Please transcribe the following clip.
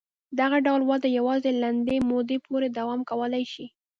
دغه ډول وده یوازې لنډې مودې پورې دوام کولای شي.